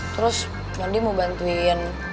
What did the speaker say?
terus mondi mau bantuin